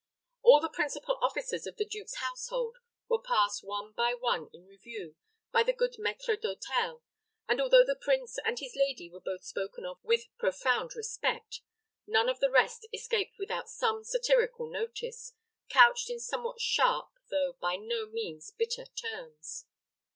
All the principal officers of the duke's household were passed one by one in review by the good maître d'hôtel, and although the prince and his lady were both spoken of with profound respect, none of the rest escaped without some satirical notice, couched in somewhat sharp, though by no means bitter terms.